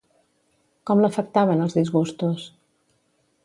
Com l'afectaven els disgustos?